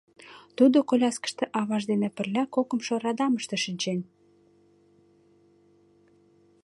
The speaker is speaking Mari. Тудо коляскыште аваж дене пырля кокымшо радамыште шинчен.